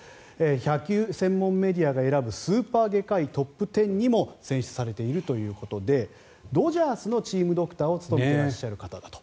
野球専門メディアが選ぶスーパー外科医トップ１０にも選出されているということでドジャースのチームドクターを務めていらっしゃる方だと。